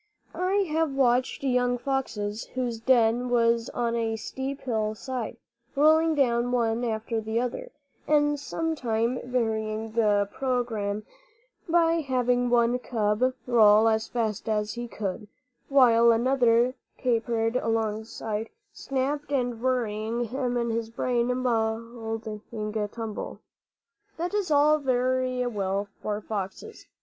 I have watched young foxes, whose den was on a steep hill side, rolling down one after the other, and sometime varying the programme by having one cub roll as fast as he could, while another capered alongside, snapping and worrying him in his brain muddling tumble. That is all very well for foxes.